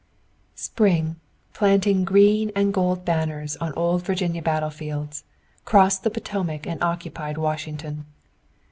Spring, planting green and gold banners on old Virginia battle fields, crossed the Potomac and occupied Washington.